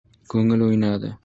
Ko‘ngli o‘ynadi.